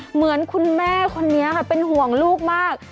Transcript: เหมือนคุณแม่คนนี้ค่ะเป็นห่วงลูกมาก